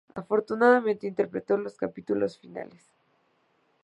Afortunadamente interpretó los capítulos finales.